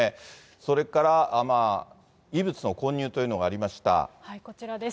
それから、異物の混入というのがこちらです。